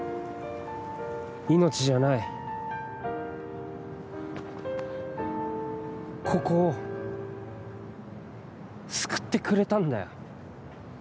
命じゃない、ここを救ってくれたんだよ。